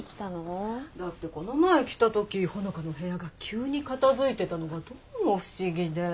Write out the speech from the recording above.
だってこの前来たとき穂香の部屋が急に片付いてたのがどうも不思議で。